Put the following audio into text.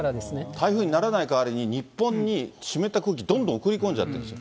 台風にならない代わりに、日本に湿った空気、どんどん送り込んじゃってるんですよ。